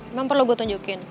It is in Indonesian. emang perlu gue tunjukin